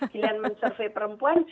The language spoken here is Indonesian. pilihan men survey perempuan